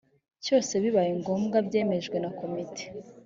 cyose bibaye ngombwa byemejwe na komite